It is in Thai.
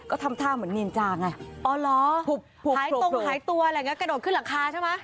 ก็ทำท่าเหมือนนินจาไงหายตัวอะไรอย่างนี้กระโดดขึ้นหลังคาใช่ไหม